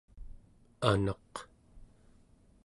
anaq